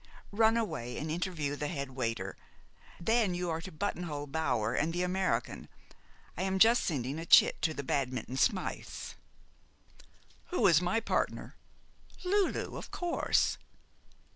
Run away and interview the head waiter. Then you are to buttonhole Bower and the American. I am just sending a chit to the Badminton Smythes." "Who is my partner?" "Lulu, of course."